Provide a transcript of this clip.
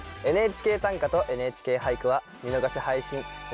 「ＮＨＫ短歌」と「ＮＨＫ俳句」は見逃し配信